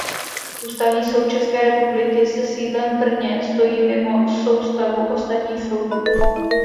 Ústavní soud České republiky se sídlem v Brně stojí mimo soustavu ostatních soudů.